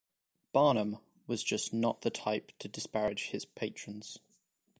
Barnum was just not the type to disparage his patrons.